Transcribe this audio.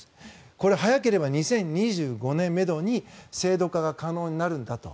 これ、早ければ２０２５年めどに制度化が可能になるんだと。